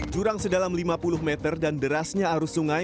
jurang sedalam lima puluh meter dan derasnya arus sungai